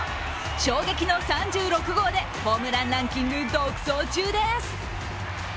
衝撃の３６号でホームランランキング独走中です。